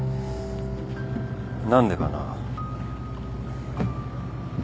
何でかな。